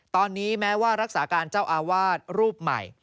ตอนนี้แม้ว่ารักษาการเจ้าอาวาสรูปใหม่